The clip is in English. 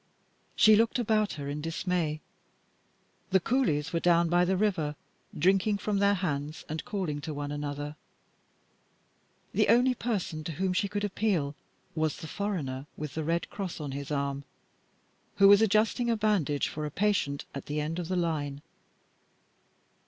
She looked about her in dismay. The coolies were down by the river, drinking from their hands and calling to one another; the only person to whom she could appeal was the foreigner with the red cross on his arm who was adjusting a bandage for a patient at the end of the line.